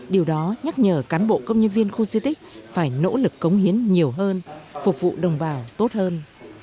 điều đó nhắc nhở cán bộ công nhân viên khu di tích phải nỗ lực cống hiến nhiều hơn phục vụ đồng bào tốt hơn